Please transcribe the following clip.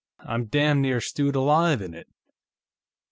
I'm damn near stewed alive in it."